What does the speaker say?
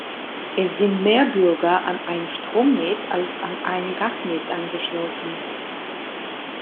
Es sind mehr Bürger an ein Stromnetz als an ein Gasnetz angeschlossen.